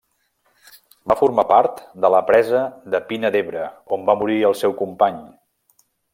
Va formar part de la presa de Pina d'Ebre, on va morir el seu company.